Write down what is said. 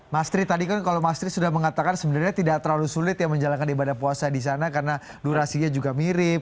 mas tri tadi kan kalau mas tri sudah mengatakan sebenarnya tidak terlalu sulit ya menjalankan ibadah puasa di sana karena durasinya juga mirip